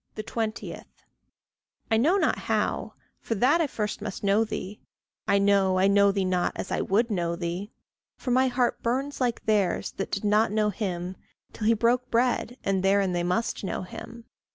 20. I know not how for that I first must know thee. I know I know thee not as I would know thee, For my heart burns like theirs that did not know him, Till he broke bread, and therein they must know him.